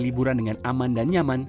liburan dengan aman dan nyaman